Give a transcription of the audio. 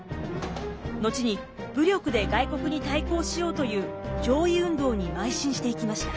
後に武力で外国に対抗しようという攘夷運動にまい進していきました。